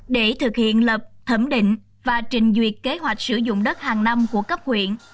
để thực hiện lập thẩm định và trình duyệt kế hoạch sử dụng đất hàng năm của cấp huyện